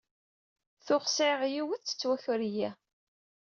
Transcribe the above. Tuɣ sɛiɣ yiwet, tettwaker-iyi.